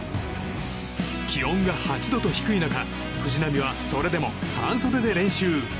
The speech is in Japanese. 気温が８度と低い中藤浪はそれでも半袖で練習。